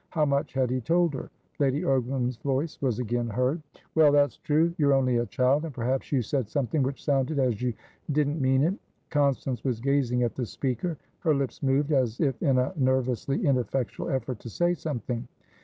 How much had he told her? Lady Ogram's voice was again heard. "Well, that's true. You're only a child, and perhaps you said something which sounded as you didn't mean it." Constance was gazing at the speaker. Her lips moved, as if in a nervously ineffectual effort to say something.